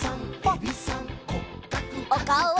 おかおを！